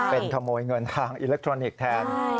เป็นขโมยเงินทางอิเล็กทรอนิกส์แทน